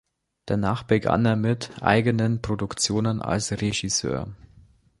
Danach begann er mit eigenen Produktionen als Regisseur.